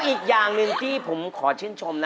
อีกอย่างหนึ่งที่ผมขอชื่นชมนะ